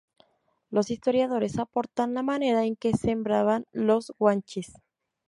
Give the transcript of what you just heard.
Los historiadores aportan la manera en que sembraban los guanches.